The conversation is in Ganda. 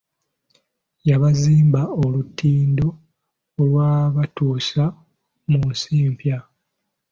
Yabazimba olutindo olwabatuusa mu nsi empya.